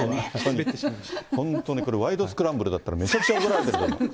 本当にこれ、ワイドスクランブルだったらめちゃくちゃ怒られてる。